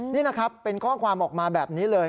นี่นะครับเป็นข้อความออกมาแบบนี้เลย